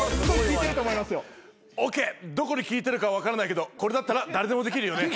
どこに効いてるか分からないけどこれだったら誰でもできるよね。